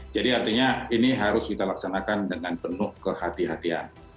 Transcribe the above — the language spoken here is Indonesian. jadi artinya ini harus kita laksanakan dengan penuh kehatian